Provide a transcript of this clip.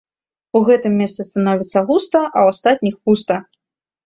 У гэтым месцы становіцца густа, а ў астатніх пуста.